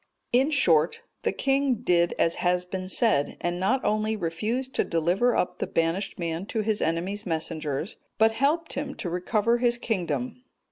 In short, the king did as has been said, and not only refused to deliver up the banished man to his enemy's messengers, but helped him to recover his kingdom.